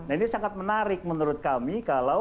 ini sangat menarik menurut kami kalau